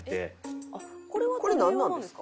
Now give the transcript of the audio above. これは誰用なんですか？